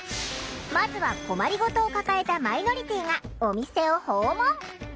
まずは困り事を抱えたマイノリティーがお店を訪問。